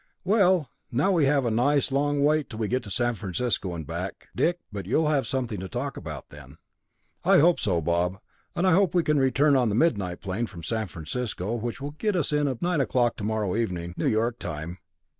"Well, now we have a nice long wait till we get to San Francisco and back, Dick, but you'll have something to talk about then!" "I hope so, Bob, and I hope we can return on the midnight plane from San Francisco, which will get us in at nine o'clock tomorrow morning, New York time.